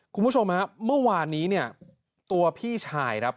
คุณผู้ชมเมื่อวานนี้ตัวพี่ชาย